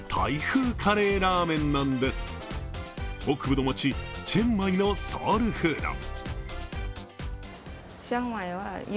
北部の町チェンマイのソウルフード。